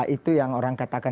itu yang orang katakan